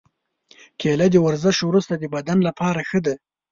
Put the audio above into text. کېله د ورزش وروسته د بدن لپاره ښه ده.